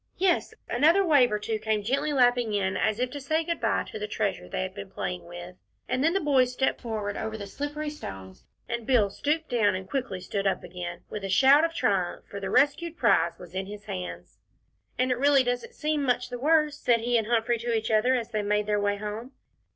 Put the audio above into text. Yes another wave or two came gently lapping in, as if to say good bye to the treasure they had been playing with, and then the boys stepped forward over the slippery stones, and Bill stooped down and quickly stood up again, with a shout of triumph, for the rescued prize was in his hands. "And it really doesn't seem much the worse," said he and Humphrey to each other, as they made their way home.